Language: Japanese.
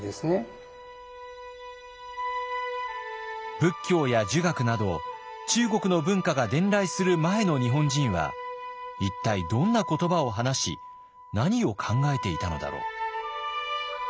仏教や儒学など中国の文化が伝来する前の日本人は一体どんな言葉を話し何を考えていたのだろう？